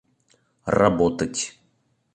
работать